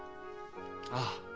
ああ。